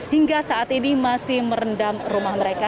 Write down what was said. hingga saat ini masih merendam rumah mereka